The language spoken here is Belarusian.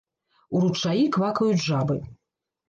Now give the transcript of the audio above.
У ручаі квакаюць жабы.